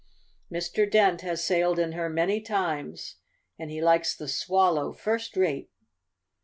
Mr. Dent has sailed in her many times, and he likes the Swallow first rate."